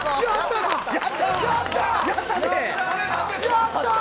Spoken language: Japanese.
やったー！